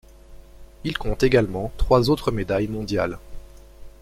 Il compte également trois autres médailles mondiales.